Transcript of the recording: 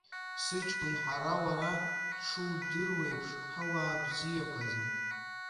Сыҷкәын ҳара уара ҳшудыруеиԥш ҳуаа бзиақәаӡам.